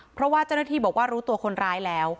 เพราะว่าเจ้าหน้าที่บอกว่ารู้ตัวคนร้ายแล้ว